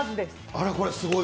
あらこれはすごい。